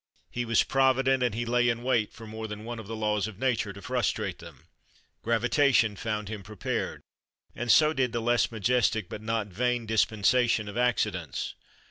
He was provident, and he lay in wait for more than one of the laws of nature, to frustrate them. Gravitation found him prepared, and so did the less majestic but not vain dispensation of accidents.